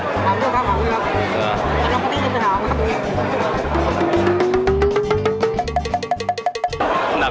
ทำด้วยครับทำด้วยครับ